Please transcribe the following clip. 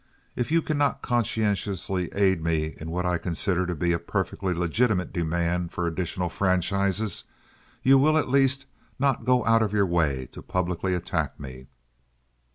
If you cannot conscientiously aid me in what I consider to be a perfectly legitimate demand for additional franchises, you will, at least, not go out of your way to publicly attack me.